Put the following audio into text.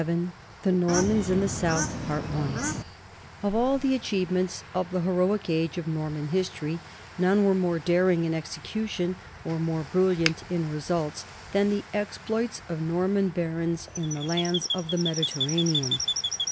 VII THE NORMANS IN THE SOUTH OF all the achievements of the heroic age of Norman history, none were more daring in execution or more brilliant in results than the exploits of Norman barons in the lands of the Mediter ranean.